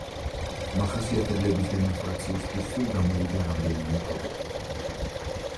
მახასიათებლების დემონსტრაციისთვის სულ გამოვიდა რამდენიმე პროტოტიპი.